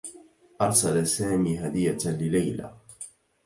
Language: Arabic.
أرسل سامي هدية لليلى.